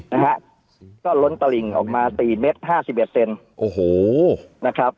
นะฮะก็ล้นตลิ่งออกมาสี่เมตรห้าสิบเอ็ดเซนโอ้โหนะครับ